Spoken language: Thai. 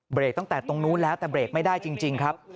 ตั้งแต่ตรงนู้นแล้วแต่เบรกไม่ได้จริงครับ